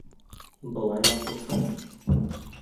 Былай матур ҡыҙ.